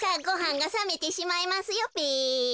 ごはんがさめてしまいますよべ。